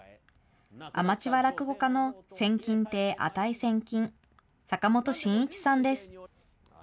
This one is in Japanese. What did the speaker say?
アマチュア落語家の千金亭値千金、阪本真一さんです。